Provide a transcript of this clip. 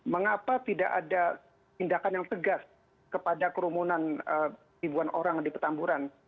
mengapa tidak ada tindakan yang tegas kepada kerumunan ribuan orang di petamburan